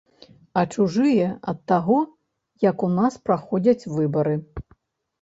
А чужыя ад таго, як у нас праходзяць выбары.